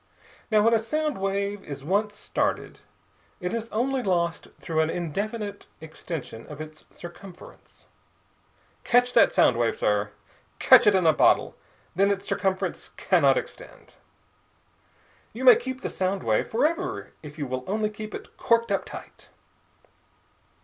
Now, when a sound wave is once started, it is only lost through an indefinite extension of its circumference. Catch that sound wave, sir! Catch it in a bottle, then its circumference cannot extend. You may keep the sound wave forever if you will only keep it corked up tight.